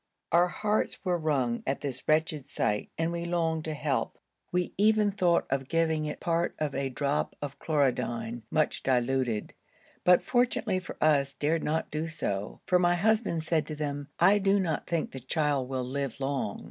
Our hearts were wrung at this wretched sight and we longed to help; we even thought of giving it part of a drop of chlorodyne much diluted, but, fortunately for us, dared not do so, for my husband said to them, 'I do not think the child will live long.'